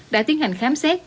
đã tiến hành khám xét